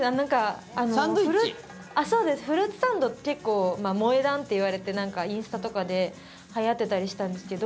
結構、萌え断って言われてインスタとかではやってたりしたんですけど。